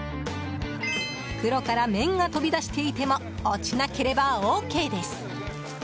袋から麺が飛び出していても落ちなければＯＫです！